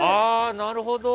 なるほど。